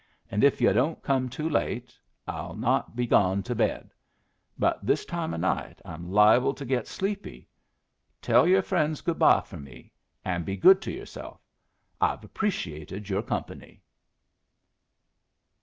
and if yu' don't come too late I'll not be gone to bed. But this time of night I'm liable to get sleepy. Tell your friends good bye for me, and be good to yourself. I've appreciated your company."